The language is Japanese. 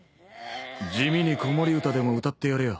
地味に子守歌でも歌ってやれや。